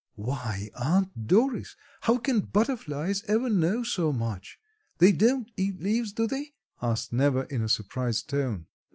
"Why, Aunt Doris! How can butterflies ever know so much? They don't eat leaves, do they?" asked Neva in a surprised tone.